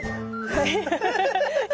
はい！